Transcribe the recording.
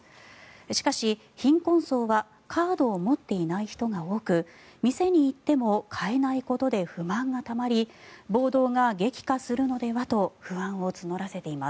しかし、貧困層はカードを持っていない人が多く店に行っても買えないことで不満がたまり暴動が激化するのではと不安を募らせています。